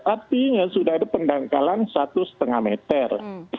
artinya sudah ada pendangkalan satu lima meter